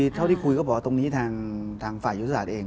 เท่าที่คุยก็บอกว่าตรงนี้ทางฝ่ายยุทธศาสตร์เอง